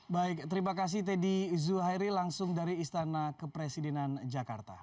baik terima kasih teddy zuhairi langsung dari istana kepresidenan jakarta